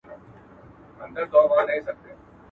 یو په ښار کي اوسېدی بل په صحرا کي.